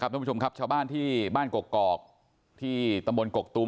กลับพ่อผู้ชมครับชาวบ้านที่บ้านกกอกกอกที่ตมกกตุม